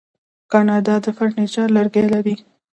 کاناډا د فرنیچر لرګي لري.